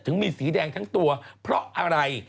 ถึงมีสีแดงทั้งตัวเพราะอะไร